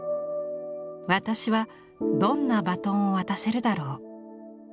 私はどんなバトンを渡せるだろう」。